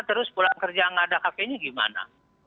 terus pulang kerja nggak ada kafenya gimana